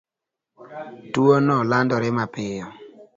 Tuwono landore mapiyo.